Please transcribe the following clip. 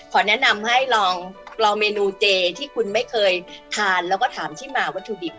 แนะนำให้ลองเมนูเจที่คุณไม่เคยทานแล้วก็ถามที่มาวัตถุดิบ